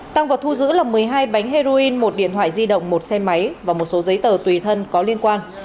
tăng vật thu giữ là một mươi hai bánh heroin một điện thoại di động một xe máy và một số giấy tờ tùy thân có liên quan